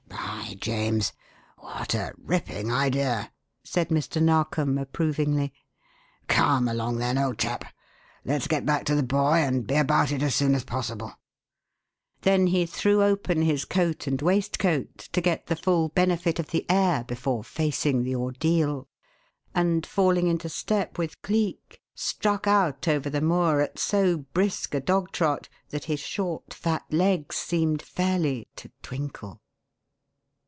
"By James! what a ripping idea," said Mr. Narkom approvingly. "Come along then, old chap let's get back to the boy and be about it as soon as possible." Then he threw open his coat and waistcoat to get the full benefit of the air before facing the ordeal, and, falling into step with Cleek, struck out over the moor at so brisk a dog trot that his short, fat legs seemed fairly to twinkle.